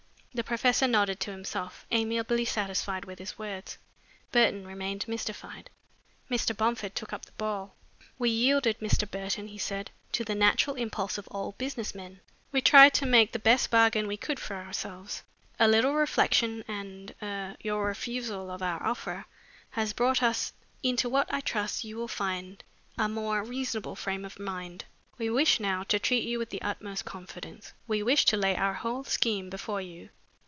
The professor nodded to himself, amiably satisfied with his words. Burton remained mystified. Mr. Bomford took up the ball. "We yielded, Mr. Burton," he said, "to the natural impulse of all business men. We tried to make the best bargain we could for ourselves. A little reflection and er your refusal of our offer, has brought us into what I trust you will find a more reasonable frame of mind. We wish now to treat you with the utmost confidence. We wish to lay our whole scheme before you."